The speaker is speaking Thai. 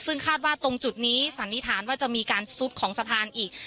ซึ่งคาดว่าตรงจุดนี้สันนิษฐานว่าจะมีการซุดของสะพานอีก